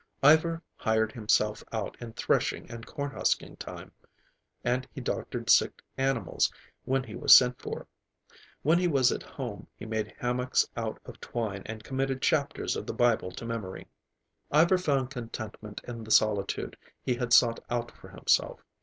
Ivar hired himself out in threshing and corn husking time, and he doctored sick animals when he was sent for. When he was at home, he made hammocks out of twine and committed chapters of the Bible to memory. Ivar found contentment in the solitude he had sought out for himself.